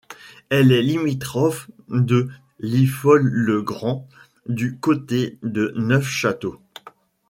Elle est limitrophe de Liffol-le-Grand du côté de Neufchâteau.